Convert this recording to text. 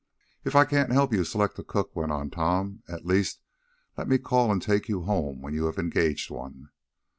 "If I can't help you select a cook," went on Tom, "at least let me call and take you home when you have engaged one."